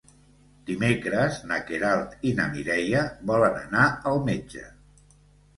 Dimecres na Queralt i na Mireia volen anar al metge.